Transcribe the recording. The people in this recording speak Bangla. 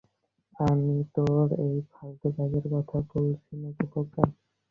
আমি তোর এই ফালতু ব্যাগের কথা বলছিনা, বোকা।